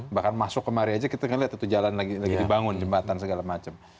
bahkan masuk kemari aja kita ngeliat itu jalan lagi dibangun jembatan segala macam